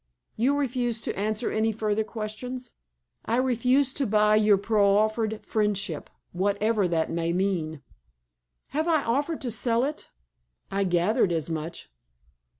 "You refuse to answer any further questions?" "I refuse to buy your proffered friendship—whatever that may mean." "Have I offered to sell it?" "I gathered as much."